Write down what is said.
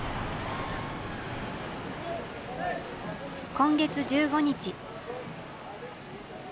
今月１５日。